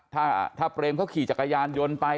ถ้าเปรมเขาขี่จักรยานยนต์ไป